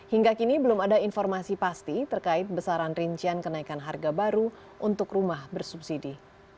hingga kini belum ada informasi pasti terkait besaran rincian kenaikan harga baru untuk rumah bersubsidi